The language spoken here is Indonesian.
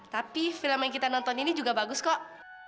tapi film yang kita nonton ini juga bagus kok